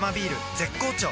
絶好調